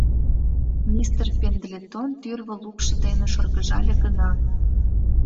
Мистер Пендлетон тӱрвӧ лукшо дене шыргыжале гына...